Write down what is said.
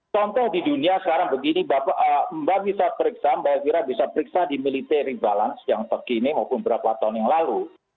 contoh di dunia sekarang begini mbak bisa periksa mbak elvira bisa periksa di military rebalance yang terkini maupun berapa tahun yang lalu